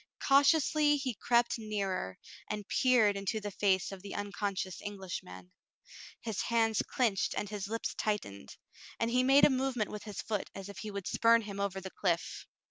Cautiously he crept nearer, and peered into the face of the uncon scious Englishman. His hands clinched and his lips tightened, and he made a movement with his foot as if he would spurn him over the cliff.